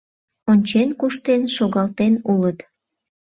Ончен-куштен шогалтен улыт.